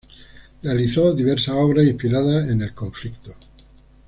Realizó diversas obras inspiradas en el conflicto.